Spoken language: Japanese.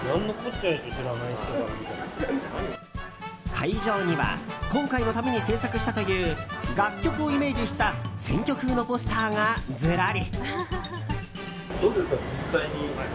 会場には今回のために制作したという楽曲をイメージした選挙風のポスターがずらり。